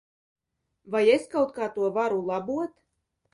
Vai es kaut kā to varu labot?